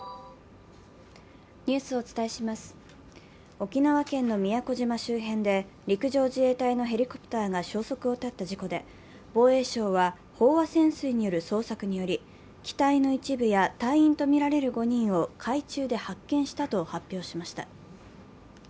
沖縄県の宮古島周辺で陸上自衛隊のヘリコプターが消息を絶った事故で防衛省は飽和潜水による捜索により、機体の一部や隊員とみられる５人を海中で発見したと発表しました。